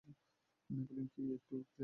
নোপোলিয়নের কী-একটি উক্তি আছে না।